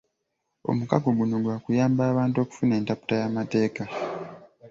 Omukago guno gwakuyamba abantu okufuna entaputa y'amateeka